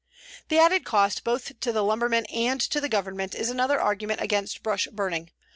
"The added cost, both to the lumberman and to the Government, is another argument against brush burning.